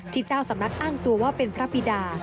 เจ้าสำนักอ้างตัวว่าเป็นพระบิดา